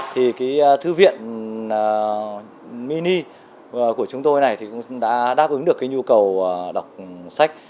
thì cái thư viện mini của chúng tôi này thì cũng đã đáp ứng được cái nhu cầu đọc sách